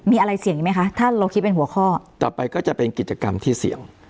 มีอะไรเสี่ยงอีกไหมคะถ้าเราคิดเป็นหัวข้อต่อไปก็จะเป็นกิจกรรมที่เสี่ยง